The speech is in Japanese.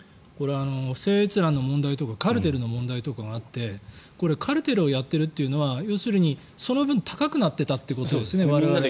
不正閲覧の問題とかカルテルの問題があってこれ、カルテルをやってるっていうのは要するに、その分高くなっていたということですね